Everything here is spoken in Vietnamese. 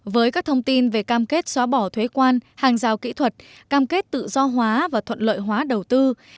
với các thông tin về cam kết xóa bỏ thuế quan hàng rào kỹ thuật cam kết tự do hóa và thuận lợi hóa đầu tư